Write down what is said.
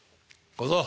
小僧！